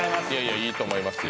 いいと思いますよ。